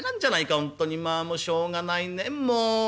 本当にまあしょうがないねもう。